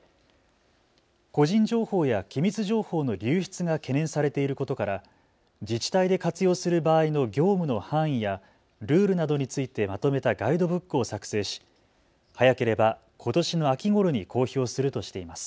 個人情報や機密情報の流出が懸念されていることから自治体で活用する場合の業務の範囲やルールなどについてまとめたガイドブックを作成し早ければことしの秋ごろに公表するとしています。